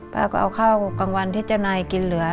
ป้าก็เอาข้าวกลางวันที่เจ้านายกินเหลือ